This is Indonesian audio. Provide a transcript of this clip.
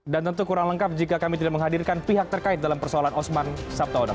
dan tentu kurang lengkap jika kami tidak menghadirkan pihak terkait dalam persoalan osman sabtaun